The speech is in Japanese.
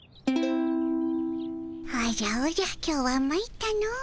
おじゃおじゃ今日はまいったの。